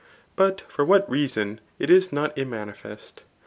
But for what reason, it is not im« manifest.